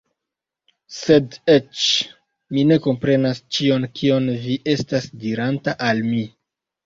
Sed eĉ... Mi ne komprenas ĉion kion vi estas diranta al mi